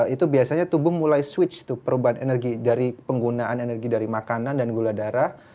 itu biasanya tubuh mulai switch tuh perubahan energi dari penggunaan energi dari makanan dan gula darah